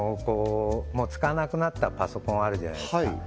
使わなくなったパソコンあるじゃないですか